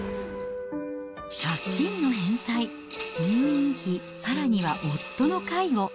借金の返済、入院費、さらには夫の介護。